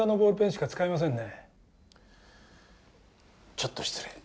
ちょっと失礼。